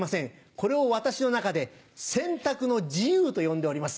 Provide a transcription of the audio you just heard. これを私の中で「センタクの自由」と呼んでおります。